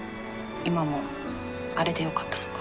今もあれでよかったのか。